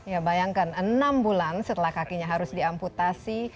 ya bayangkan enam bulan setelah kakinya harus diamputasi